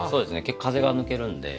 結構風が抜けるので。